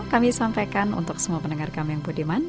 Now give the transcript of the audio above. kami sampaikan untuk semua pendengar kami yang budiman